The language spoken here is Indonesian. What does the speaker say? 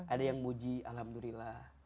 ada yang muji alhamdulillah